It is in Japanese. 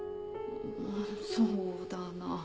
そうだな。